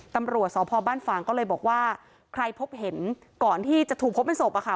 ตำรวจสพบ้านฝ่างก็เลยบอกว่าใครพบเห็นก่อนที่จะถูกพบเป็นศพอะค่ะ